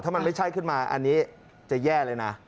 ถ้ามันไม่ใช่ขึ้นมาอันนี้จะแย่เลยนะ